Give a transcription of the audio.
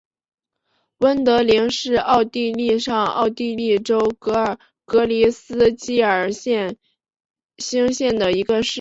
温德灵是奥地利上奥地利州格里斯基尔兴县的一个市镇。